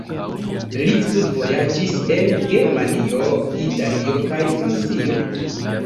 Li studvojaĝis en Germanio, Italio kaj Francio.